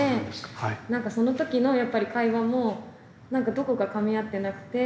なんかその時のやっぱり会話もなんかどこかかみ合ってなくて。